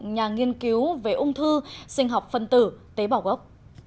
nhà nghiên cứu về ung thư sinh học phân tử tế bảo gốc